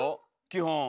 基本。